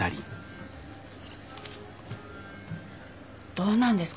どうなんですか？